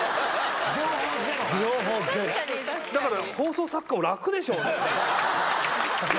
放送作家も楽でしょうね。